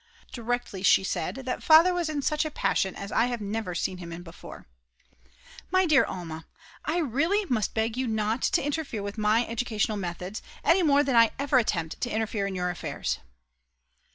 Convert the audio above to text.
Directly she said that Father was in such a passion as I have never seen him in before. "My dear Alma, I really must beg you not to interfere with my educational methods, any more than I ever attempt to interfere in your affairs."